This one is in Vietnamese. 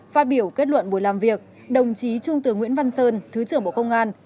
phát biểu kết luận buổi làm việc đồng chí trung tướng nguyễn văn sơn thứ trưởng bộ công an